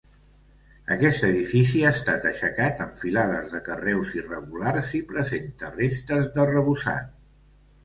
Aquest edifici ha estat aixecat amb filades de carreus irregulars i presenta restes d'arrebossat.